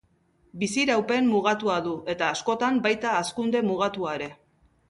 Biziraupen mugatua du, eta askotan, baita hazkunde mugatua ere.